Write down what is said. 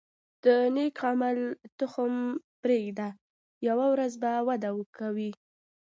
د نیک عمل تخم پرېږده، یوه ورځ به وده کوي.